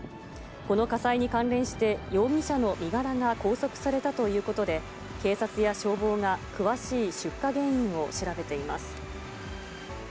この火災に関連して、容疑者の身柄が拘束されたということで、警察や消防が詳しい出火原因を調べています。